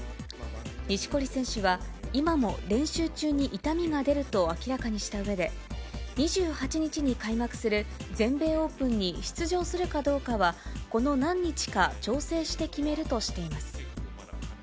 錦織選手は今も練習中に痛みが出ると明らかにしたうえで、２８日に開幕する全米オープンに出場するかどうかは、この何日か、調整して決めるとしています。